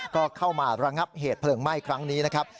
ก็เข้ามาระงับเหตุเพลิงไหม้ครั้งนี้นะครับ